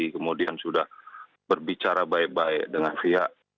kemudian sudah berbicara baik baik dengan pihak